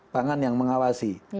pangan yang mengawasi